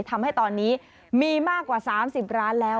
ทำให้ตอนนี้มีมากกว่า๓๐ล้านแล้ว